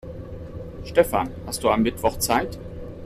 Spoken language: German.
Stefan, hast du am Mittwoch Zeit?